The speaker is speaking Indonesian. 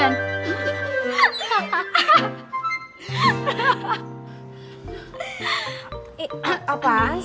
masa ada protein liter